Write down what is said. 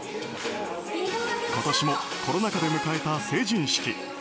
今年もコロナ禍で迎えた成人式。